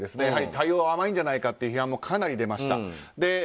やはり対応は甘いんじゃないかという批判もかなり出ました。